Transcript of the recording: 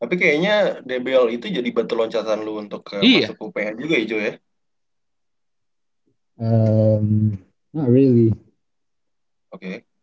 tapi kayaknya dbl itu jadi bantu loncatan lu untuk masuk uph juga ya joe ya